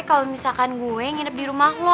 kalau misalkan gue nginep di rumah lo